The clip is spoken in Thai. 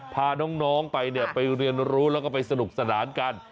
พาน้องไปเนี่ยไปเรียนรู้แล้วก็ไปสนุกสนานกัน